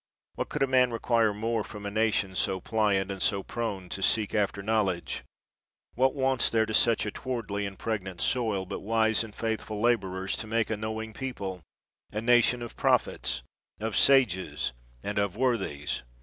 What could a man require more from a nation so pliant and so prone to seek after knowledge ? "What wants there to such a towardly and pregnant soil, but wise and faith ful laborers, to make a knowing people, a nation of prophets, of sages, and of worthies?